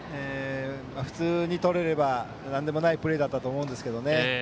普通にとれればなんでもないプレーだったと思うんですけどね。